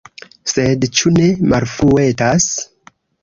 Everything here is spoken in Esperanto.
Sed ĉu ne malfruetas?